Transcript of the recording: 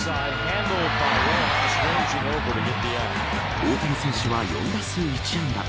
大谷選手は４打数１安打。